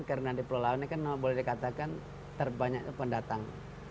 karena diperlawannya kan boleh dikatakan terbanyak pendatang